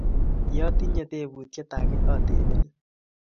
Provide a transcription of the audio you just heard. Ye atinye teputyet ake atebenin